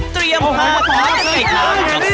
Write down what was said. เตรียมพาความใกล้ความ